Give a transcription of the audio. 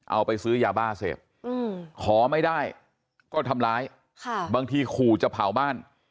เอาไปซื้อยาบ้าเสพขอไม่ได้ก็ทำร้ายบางทีขู่จะเผาบ้าน